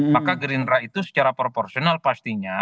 maka gerindra itu secara proporsional pastinya